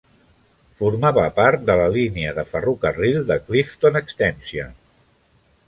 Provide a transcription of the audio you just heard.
Formava part de la línia de ferrocarril de Clifton Extension.